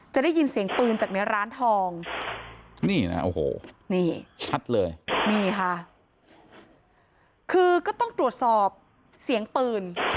จะได้ยินเสียงปืนจากในร้านทองคือก็ต้องตรวจสอบเสียงปืน